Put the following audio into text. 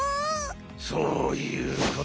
そういうこと！